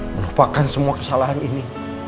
menupakan semua kesalahan ini